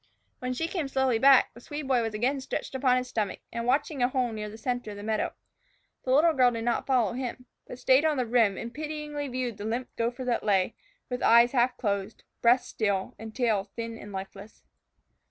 When she came slowly back, the Swede boy was again stretched upon his stomach, and watching a hole nearer the center of the meadow. The little girl did not follow him, but stayed on the rim and pityingly viewed the limp gopher that lay, with eyes half closed, breast still, and tail thin and lifeless.